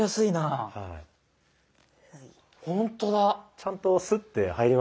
ちゃんとスッて入りますよね。